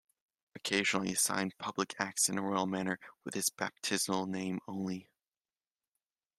Occasionally he signed public acts in the royal manner, with his baptismal name only.